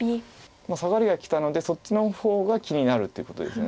サガリがきたのでそっちの方が気になるってことです。